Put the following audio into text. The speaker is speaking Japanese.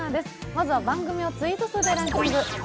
まずは番組をツイート数でランキング。